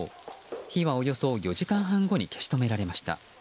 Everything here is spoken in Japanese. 火はおよそ４時間半後に消し止められました。